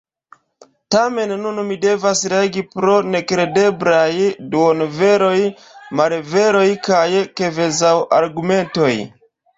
Tamen nun mi devas reagi pro nekredeblaj duonveroj, malveroj kaj kvazaŭargumentoj.